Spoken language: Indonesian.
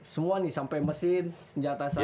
semua nih sampai mesin senjata saya